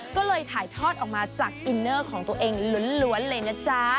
ก็เลยถ่ายทอดออกมาจากอินเนอร์ของตัวเองล้วนเลยนะจ๊ะ